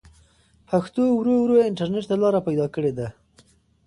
پښتو ورو ورو انټرنټ ته لاره پيدا کړې ده.